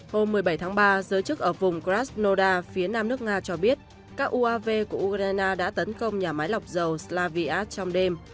hôm một mươi bảy tháng ba giới chức ở vùng krasnoda phía nam nước nga cho biết các uav của ukraine đã tấn công nhà máy lọc dầu slaviat trong đêm